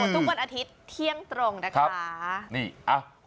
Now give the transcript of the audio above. ทุกวันอาทิตย์เที่ยงตรงนะคะ